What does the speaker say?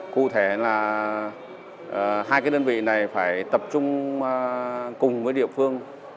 cụ thể là hai cái đơn vị này phải tập trung cùng với địa phương